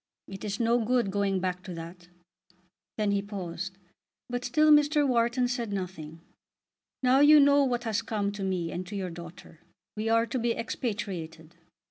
It is no good going back to that." Then he paused, but still Mr. Wharton said nothing. "Now you know what has come to me and to your daughter. We are to be expatriated."